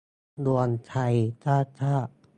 รวมไทยสร้างชาติ